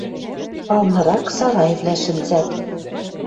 Палнырак сарайвлӓ шӹнзӓт.